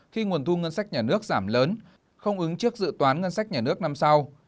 khi nguồn thu ngân sách nhà nước giảm lớn không ứng trước dự toán ngân sách nhà nước năm sau